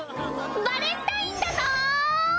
バレンタインだぞ！